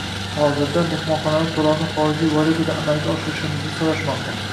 Hozirda mehmonxonalar to‘lovni xorijiy valyutada amalga oshirishimizni so‘rashmoqda.